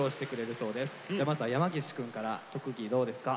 まずは山岸くんから特技どうですか？